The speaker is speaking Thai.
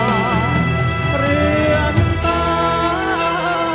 ต้องนอนคือสุสานหรืออันตา